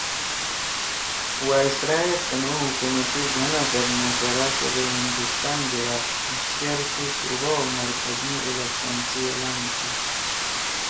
وائسرائے تنُو حکومتی گھنَا سیت مشورا کیدے ہندوستان گے آپ آں شیرتے صوبا او مرکز می الیکشن سی اعلان کی